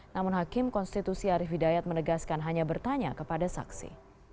namun hakim konstitusi arief hidayat menegaskan hanya bertanya kepada saksi